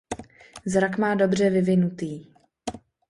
Zrak má dobře vyvinutý.